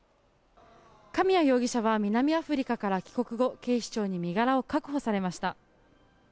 紙谷容疑者は南アフリカから帰国後警視庁に身柄を確保されました。